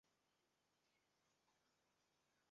এই শিক্ষা কতিপয় বিশেষ অধিকারীরই উপযোগী।